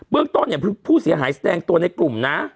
เรื่องต้นเนี่ยผู้เสียหายแสดงตัวในกลุ่มนะ